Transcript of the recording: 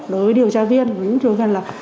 đối với điều tra viên